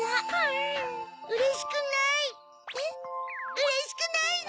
うれしくないぞ！